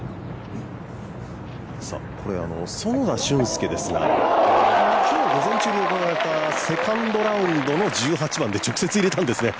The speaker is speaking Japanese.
これ薗田峻輔ですが今日、午前中に行われたセカンドラウンドの１８番で直接入れたんですよね。